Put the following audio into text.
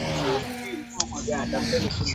ilihusiana na mada ya utafiti na pia mtafiti alipata